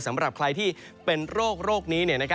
สำหรับใครที่เป็นโรคนี้